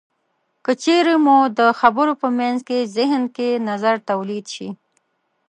که چېرې مو د خبرو په منځ کې زهن کې نظر تولید شي.